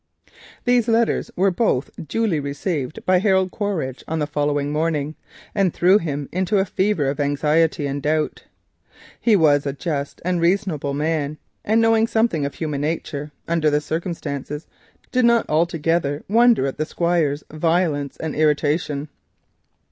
These letters were both duly received by Harold Quaritch on the following morning and threw him into a fever of anxiety and doubt. He was a just and reasonable man, and, knowing something of human nature, under the circumstances did not altogether wonder at the Squire's violence and irritation.